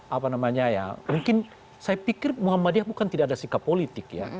apa namanya ya mungkin saya pikir muhammadiyah bukan tidak ada sikap politik ya